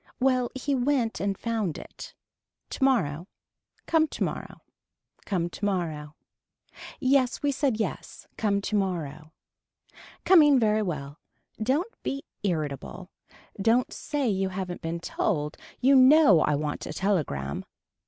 Well we went and found it. Tomorrow. Come tomorrow. Come tomorrow. Yes we said yes. Come tomorrow. Coming very well. Don't be irritable. Don't say you haven't been told. You know I want a telegram.